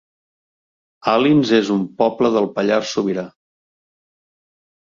Alins es un poble del Pallars Sobirà